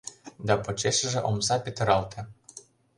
— Да почешыже омса петыралте.